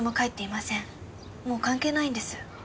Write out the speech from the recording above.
もう関係ないんです。